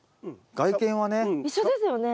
外見はね。